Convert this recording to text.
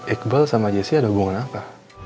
iqbal sama jessi ada hubungan apa